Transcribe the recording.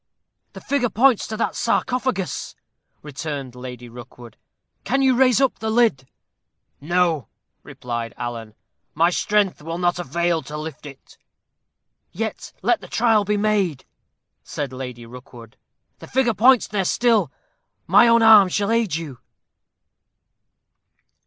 "The figure points to that sarcophagus," returned Lady Rookwood "can you raise up the lid?" "No," replied Alan; "my strength will not avail to lift it." "Yet let the trial be made," said Lady Rookwood; "the figure points there still my own arm shall aid you."